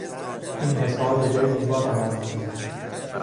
این حصار به جای دیوار عمل میکند.